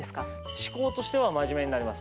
思考としては真面目になります。